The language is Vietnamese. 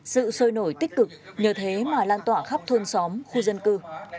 sự sôi nổi tích cực nhờ thế mà lan tỏa khắp thôn xóm khu dân cư